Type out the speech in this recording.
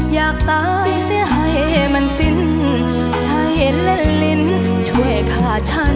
อยากตายเสียให้มันสิ้นใจเล่นลิ้นช่วยฆ่าฉัน